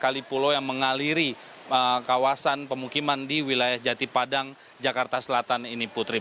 kali pulau yang mengaliri kawasan pemukiman di wilayah jati padang jakarta selatan ini putri